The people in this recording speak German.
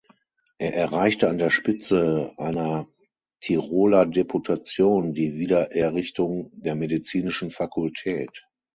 Er erreichte an der Spitze einer Tiroler Deputation die Wiedererrichtung der medizinischen Fakultät.